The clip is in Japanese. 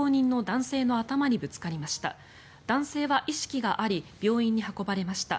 男性は意識があり病院に運ばれました。